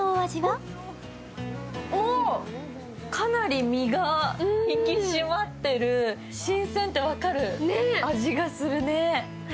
かなり身が引き締まってる、新鮮って分かる味がするね。